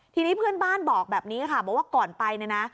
ทีนี้เพื่อนบ้านบอกแบบนี้ค่ะบอกว่าก่อนไปเนี่ยนะ